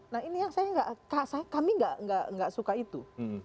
nah ini yang kami tidak suka itu